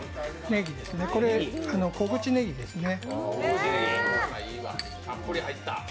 これは小口ねぎですね。